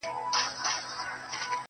آهونه چي د مړه زړه له پرهاره راوتلي_